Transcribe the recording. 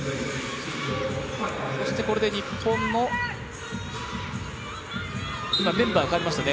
これで日本のメンバーが変わりました。